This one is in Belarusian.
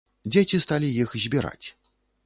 Дзеці сталі іх збіраць.